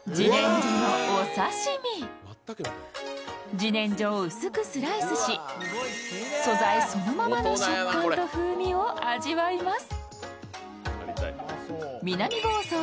自然薯を薄くスライスし素材そのものの食感と風味を味わいます。